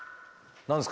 何ですか？